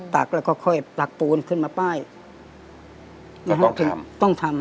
ตักแล้วก็ค่อยปักปูนขึ้นมาป้ายนะฮะถึงต้องทำ